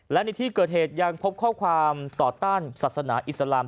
และในที่เกิดเหตุยังพบข้อความต่อต้านศาสนาอิสลาม